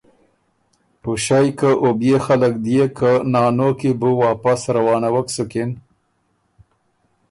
پُݭئ که او بيې خلق ديېک که نانو کی بو واپس روانَوَک سُکِن،